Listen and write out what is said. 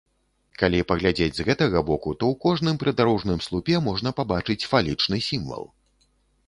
Калі паглядзець з гэтага боку, то ў кожным прыдарожным слупе можна пабачыць фалічны сімвал.